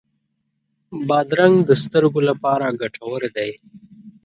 بادرنګ د سترګو لپاره ګټور دی.